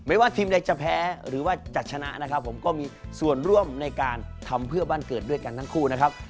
ว่าทีมใดจะแพ้หรือว่าจะชนะนะครับผมก็มีส่วนร่วมในการทำเพื่อบ้านเกิดด้วยกันทั้งคู่นะครับ